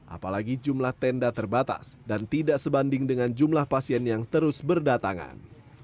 apalagi jumlah tenda terbatas dan tidak sebanding dengan jumlah pasien yang terus berdatangan